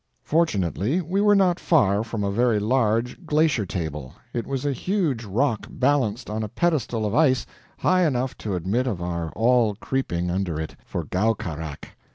Fortunately, we were not far from a very large glacier table; it was a huge rock balanced on a pedestal of ice high enough to admit of our all creeping under it for GOWKARAK.